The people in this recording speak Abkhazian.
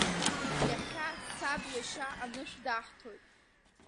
Иахьа сабиашьа анышә даҳҭоит.